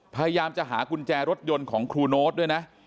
พยายามจะหากุญแจรถยนต์ของครูโน๊ตด้วยนะ